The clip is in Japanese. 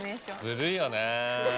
ずるいよね。